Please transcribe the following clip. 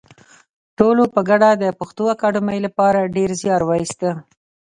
ټولو په ګډه د پښتو اکاډمۍ لپاره ډېر زیار وایستی